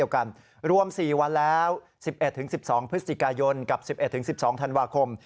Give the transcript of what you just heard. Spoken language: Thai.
วันแล้ว๑๑๑๒พฤศจิกายนกับ๑๑๑๒ธันวาคม